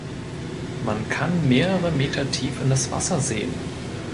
Man kann mehrere Meter tief in das Wasser sehen.